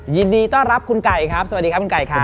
ยินดีต้อนรับคุณไก่ครับสวัสดีครับคุณไก่ครับ